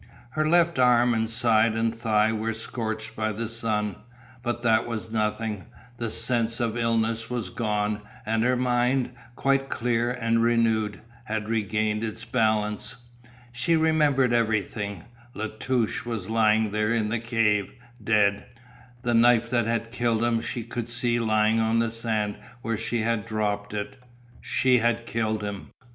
Her left arm and side and thigh were scorched by the sun, but that was nothing; the sense of illness was gone, and her mind, quite clear and renewed, had regained its balance. She remembered everything. La Touche was lying there in the cave, dead. The knife that had killed him she could see lying on the sand where she had dropped it; she had killed him.